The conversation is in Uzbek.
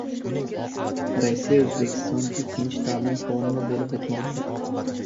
Rossiya-O‘zbekiston ikkinchi ta’lim forumi bo‘lib o‘tmoqda